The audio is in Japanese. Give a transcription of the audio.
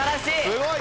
すごい！